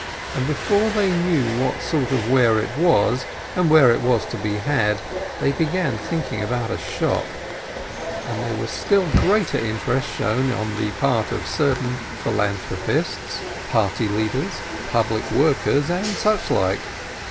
and before they knew what sort of ware it was, and where it was to be had, they began thinking about a shop — and there was still greater interest shown on the part of certain philanthropists, party leaders, public workers, and such like.